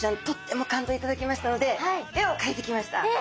とっても感動頂きましたので絵をかいてきました。